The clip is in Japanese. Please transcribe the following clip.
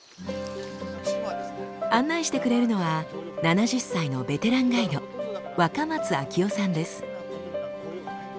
案内してくれるのは７０歳のベテランガイド若松昭男さんです。